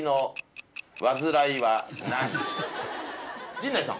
陣内さん。